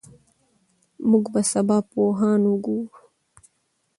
موږ به سبا پوهان وګورو.